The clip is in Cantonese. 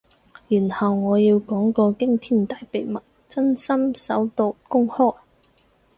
然後我要講個驚天大秘密，真心首度公開